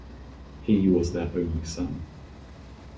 He was their only son.